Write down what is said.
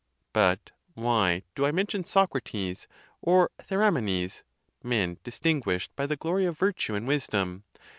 But why do I mention Socrates, or Theramenes, men distinguished by the glory of virtue and wisdom?